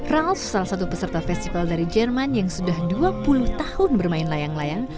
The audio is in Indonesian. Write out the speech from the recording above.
rallf salah satu peserta festival dari jerman yang sudah dua puluh tahun bermain layang layang